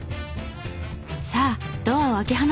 さあドアを開け放とう。